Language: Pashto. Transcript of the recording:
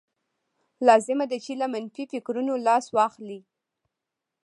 لازمه ده چې له منفي فکرونو لاس واخلئ